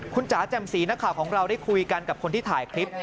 คุณจ๋าแจ่มสีนักข่าวของเราได้คุยกันกับคนที่ถ่ายคลิป